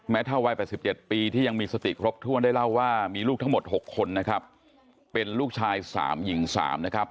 เท่าวัย๘๗ปีที่ยังมีสติครบถ้วนได้เล่าว่ามีลูกทั้งหมด๖คนนะครับเป็นลูกชาย๓หญิง๓นะครับ